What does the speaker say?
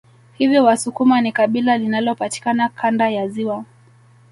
Hivyo wasukuma ni kabila linalopatikana Kanda ya ziwa